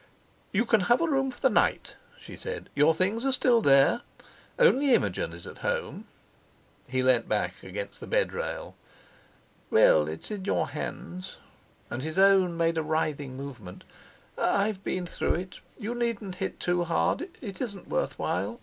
"You can have a room for the night," she said; "your things are still here. Only Imogen is at home." He leaned back against the bed rail. "Well, it's in your hands," and his own made a writhing movement. "I've been through it. You needn't hit too hard—it isn't worth while.